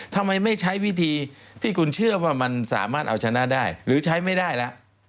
ทำไมไม่ใช้วิธีที่คุณเชื่อว่ามันสามารถเอาชนะได้หรือใช้ไม่ได้แล้ว